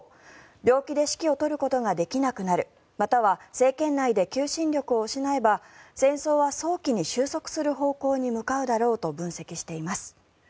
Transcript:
病気で指揮を執ることができなくなるまたは政権内で求心力を失えば戦争は早期に収束する方向に向かうだろうと分析しています。